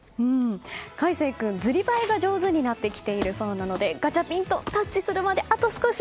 魁星君、ずりばいが上手になってきているそうなのでガチャピンとタッチするまであと少し。